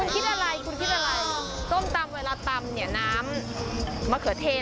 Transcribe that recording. คุณคิดอะไรต้มตำเวลาตำนี้น้ำมะเขือเทน